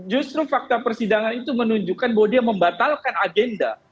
justru fakta persidangan itu menunjukkan bahwa dia membatalkan agenda